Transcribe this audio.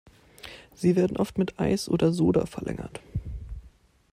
Sie werden oft mit Eis oder Soda verlängert.